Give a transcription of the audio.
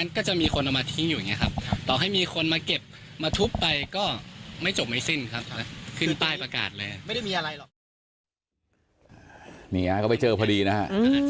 ก็ไปเจอพอดีนะค่ะ